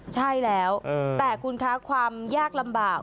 ใช่แล้วแต่คุณคะความยากลำบาก